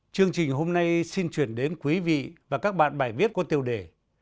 chương trình hôm nay xin truyền đến quý vị và các bạn bài viết của tiêu đề